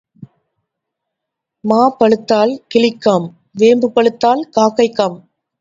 மா பழுத்தால் கிளிக்காம், வேம்பு பழுத்தால் காக்கைக்காம்.